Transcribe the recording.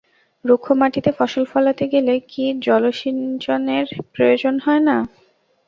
রুক্ষ মাটিতে ফসল ফলাতে গেলে কি জলসিঞ্চনের প্রয়োজন হয় না?